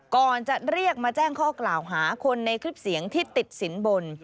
ก่อนจะเรียกมาแจ้งข้อกล่าวหาคนในคลิปเสียงที่ติดสินบน